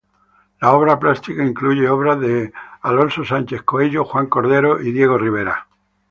La obra plástica incluye obras de Alonso Sánchez Coello, Juan Cordero y Diego Rivera.